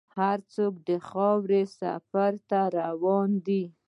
هر څوک د خاورې سفر ته روان دی.